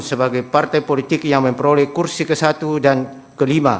sebagai partai politik yang memperoleh kursi ke satu dan ke lima